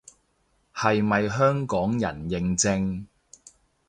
係咪香港人認證